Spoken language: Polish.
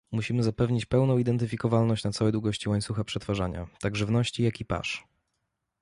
musimy zapewnić pełną identyfikowalność na całej długości łańcucha przetwarzania, tak żywności, jak i pasz